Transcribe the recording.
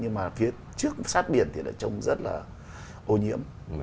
nhưng mà phía trước sát biển thì đã trông rất là ô nhiễm